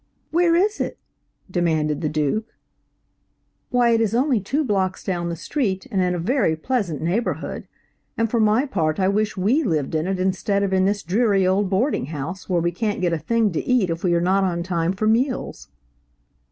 "Where is it?" demanded the Duke. "Why, it is only two blocks down the street and in a very pleasant neighborhood, and for my part I wish we lived in it instead of in this dreary old boarding house, where we can't get a thing to eat if we are not on time for meals."